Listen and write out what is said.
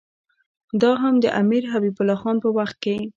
دا هم د امیر حبیب الله خان په وخت کې.